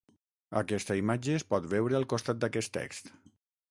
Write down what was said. Aquesta imatge es pot veure al costat d'aquest text.